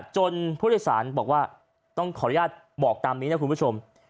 ผู้โดยสารบอกว่าต้องขออนุญาตบอกตามนี้นะคุณผู้ชม